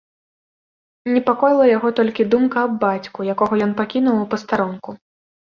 Непакоіла яго толькі думка аб бацьку, якога ён пакінуў у пастарунку.